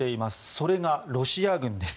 それがロシア軍です。